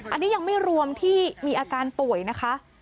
อันนี้ยังไม่รวมที่มีอาการป่วยนะคะ